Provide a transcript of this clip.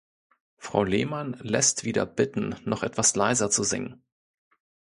Frau Lehmann lässt wieder bitten, noch etwas leiser zu singen.